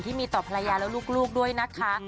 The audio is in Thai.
ที่มีต่อภรรยาและลูกด้วยนะคะ